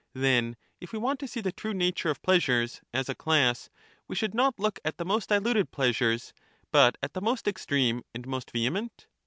Then if we want to see the true nature of pleasures 45 as a class, we should not look at the most diluted pleasures, but at the most extreme and most vehement